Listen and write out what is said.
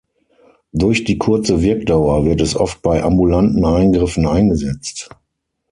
Durch die kurze Wirkdauer wird es oft bei ambulanten Eingriffen eingesetzt.